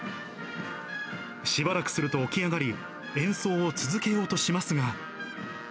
しばらくすると起き上がり、演奏を続けようとしますが。